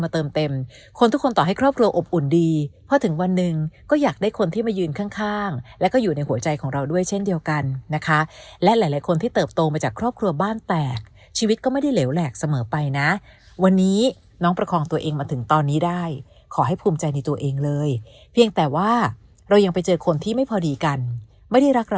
เติมเต็มคนทุกคนต่อให้ครอบครัวอบอุ่นดีพอถึงวันหนึ่งก็อยากได้คนที่มายืนข้างข้างแล้วก็อยู่ในหัวใจของเราด้วยเช่นเดียวกันนะคะและหลายคนที่เติบโตมาจากครอบครัวบ้านแตกชีวิตก็ไม่ได้เหลวแหลกเสมอไปนะวันนี้น้องประคองตัวเองมาถึงตอนนี้ได้ขอให้ภูมิใจในตัวเองเลยเพียงแต่ว่าเรายังไปเจอคนที่ไม่พอดีกันไม่ได้รัก